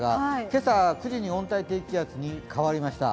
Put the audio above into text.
今朝、９時に温帯低気圧に変わりました。